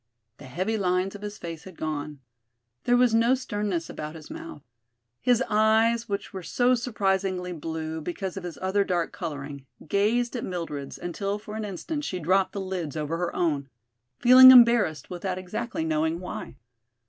The heavy lines of his face had gone. There was no sternness about his mouth. His eyes, which were so surprisingly blue because of his other dark coloring, gazed at Mildred's until for an instant she dropped the lids over her own, feeling embarrassed without exactly knowing why.